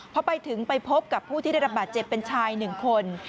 พอไปถึงไปพบกับผู้ที่ได้รับบาดเจ็บเป็นชาย๑คน